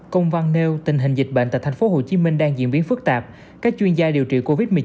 công văn nêu tình hình dịch bệnh tại tp hcm đang diễn biến phức tạp các chuyên gia điều trị covid một mươi chín